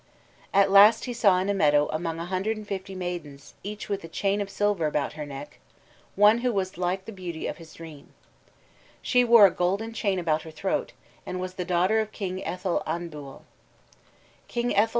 At last he saw in a meadow among a hundred and fifty maidens, each with a chain of silver about her neck, one who was like the beauty of his dream. She wore a golden chain about her throat, and was the daughter of King Ethal Anbual.